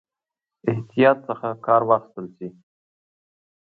احتیاط څخه کار واخیستل شي.